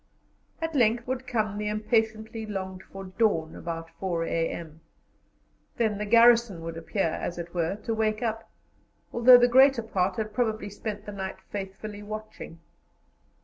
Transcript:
At length would come the impatiently longed for dawn about 4 a.m.; then the garrison would appear, as it were, to wake up, although the greater part had probably spent the night faithfully watching.